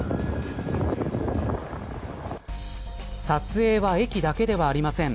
撮影は、駅だけではありません。